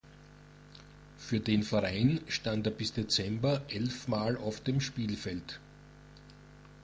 Für den Verein stand er bis Dezember elfmal auf dem Spielfeld.